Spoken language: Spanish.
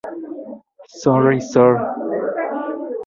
Sorry, Sir!